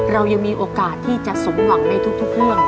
เรายังมีโอกาสที่จะสมหวังในทุกเรื่อง